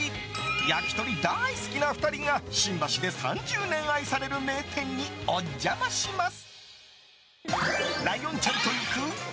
焼き鳥大好きな２人が新橋で３０年愛される名店にお邪魔します。